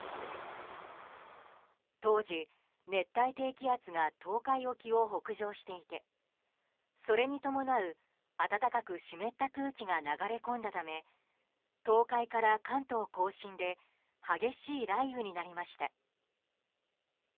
当時、熱帯低気圧が東海沖を北上していてそれに伴う暖かく湿った空気が流れ込んだため東海から関東・甲信で激しい雷雨になりました。